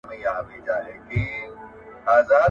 پر منبر یې نن ویله چي غلام به وي مختوری !.